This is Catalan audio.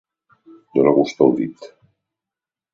Donar gust al dit.